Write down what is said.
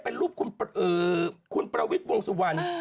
เป็นรูปคุณประวิทย์วงสุวรรณ